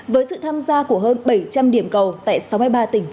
với sự tham gia của hơn bảy trăm linh điểm cầu tại sáu mươi ba tỉnh thành phố